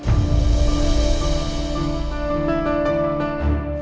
mbak andin apa yang kamu mau katakan